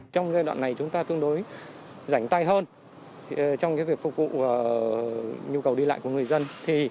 trong giai đoạn này chúng ta tương đối giảnh tay hơn trong việc phục vụ nhu cầu đi lại của người dân